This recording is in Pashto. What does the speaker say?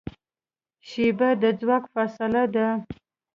شیبه د ځواک فاصله ده.